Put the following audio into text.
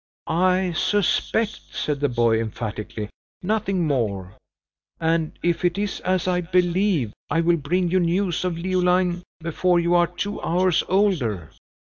"I suspect!" said the boy, emphatically, "nothing more; and if it is as I believe, I will bring you news of Leoline before you are two hours older."